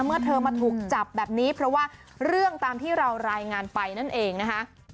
เมื่อเธอมาถูกจับแบบนี้เพราะว่าเรื่องตามที่เรารายงานไปนั่นเองนะคะ